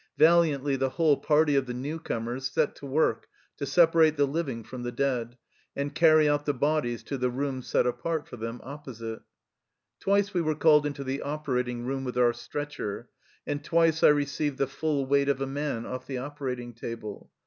Valiantly the whole party of the new comers set to work to separate the living from the dead, and carry out the bodies to the room set apart for them opposite. " Twice we were called into the operating room with our stretcher, and twice I received the full weight of a man off the operating table.